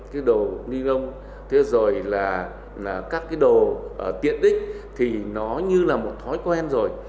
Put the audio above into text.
cái đồ linh lông các cái đồ tiện đích thì nó như là một thói quen rồi